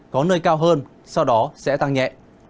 có nơi cao hơn sau đó sẽ tăng nhẹ